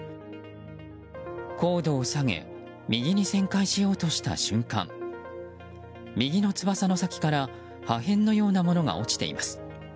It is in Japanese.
高度を下げ右に旋回しようとした瞬間右の翼の先から破片のようなものが落ちています。